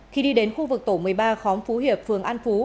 khi đi đến khu vực tổ một mươi ba khóm phú hiệp phường an phú